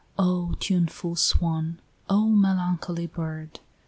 XVII. Oh, tuneful Swan! oh, melancholy bird!